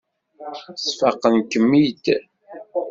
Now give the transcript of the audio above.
Sfaqen-kem-id.